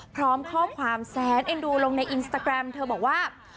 พร้อมข้อความแสนเอ็นดูลงในอินสตาแกรมเธอบอกว่า